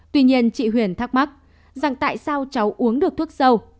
tuy nhiên chị huyền thắc mắc rằng tại sao cháu uống được thuốc sâu